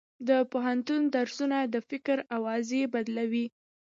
د پوهنتون درسونه د فکر زاویې بدلوي.